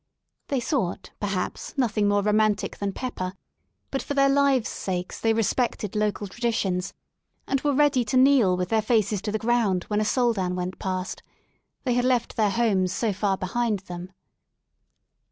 They sought, perhaps, nothing more romantic than pepper, but for their lives' sakes they respected local traditions, and were ready to kneel with their faces to the ground when a Soldan went past. They had left their homes so far behind them.